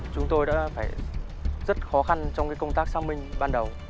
chúng tôi đã phải rất khó khăn trong công tác xác minh ban đầu